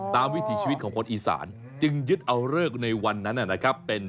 วิถีชีวิตของคนอีสานจึงยึดเอาเลิกในวันนั้นนะครับ